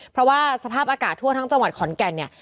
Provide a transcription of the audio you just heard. เพราะว่าสภาพอากาศทั่วทั้งจังหวัดขอนแก่นเนี่ย